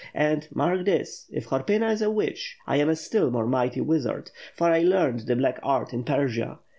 And, mark this, if Hor pyna is a witch, I am a still more mighty wizard; for 1 learned the black art in Persia.